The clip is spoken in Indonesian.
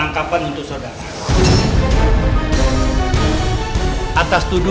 waktu itu aku battlefight kami terbatas turun